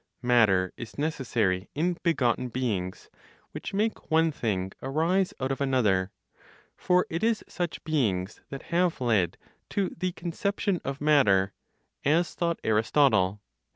Matter is necessary in begotten beings, which make one thing arise out of another; for it is such beings that have led to the conception of matter (as thought Aristotle).